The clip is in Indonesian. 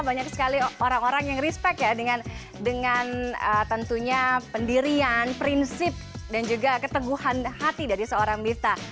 banyak sekali orang orang yang respect ya dengan tentunya pendirian prinsip dan juga keteguhan hati dari seorang mifta